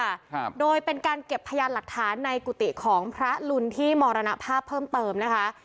ครับโดยเป็นการเก็บพยานหลักฐานในกุฏิของพระลุนที่มรณภาพเพิ่มเติมนะคะ